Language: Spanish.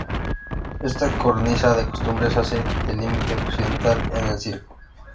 Esta cornisa de cumbres hace de límite occidental en el circo.